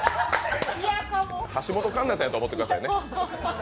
橋本環奈さんやと思ってくださいね。